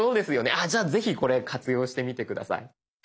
あじゃあぜひこれ活用してみて下さい。